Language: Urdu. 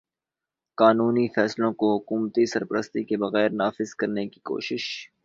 قانونی فیصلوں کو حکومتی سرپرستی کے بغیر نافذ کرنے کی کوشش